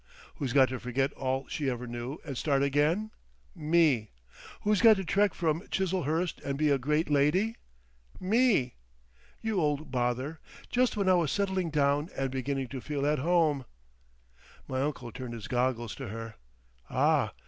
Who's got to forget all she ever knew and start again? Me! Who's got to trek from Chiselhurst and be a great lady? Me! ... You old Bother! Just when I was settling down and beginning to feel at home." My uncle turned his goggles to her. "Ah!